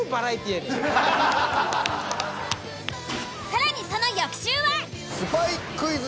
更にその翌週は。